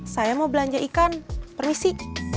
saya mau belanja ikan permisi